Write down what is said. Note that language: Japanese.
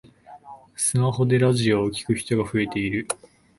スマホでラジオを聞く人が増えている